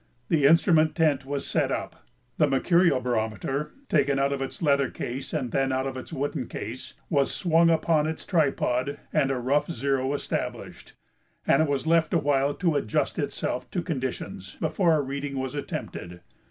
The instrument tent was set up, the mercurial barometer, taken out of its leather case and then out of its wooden case, was swung upon its tripod and a rough zero established, and it was left awhile to adjust itself to conditions before a reading was attempted.